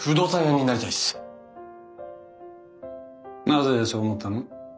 なぜそう思ったの？